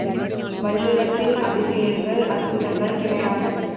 வள்ளுவத்தில் அதிசயங்கள் அற்புதங்கள் கிடையாது.